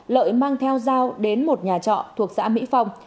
lợi mang theo dao đến một nhà trọ thuộc xã mỹ phong